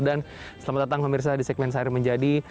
dan selamat datang pemirsa di segmen sair menjadi